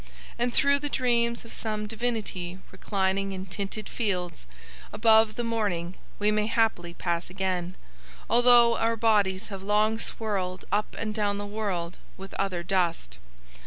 _ And through the dreams of some divinity reclining in tinted fields above the morning we may haply pass again, although our bodies have long swirled up and down the world with other dust.